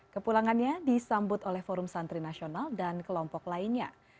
kepulangannya disambut oleh forum santri nasional dan kelompok lainnya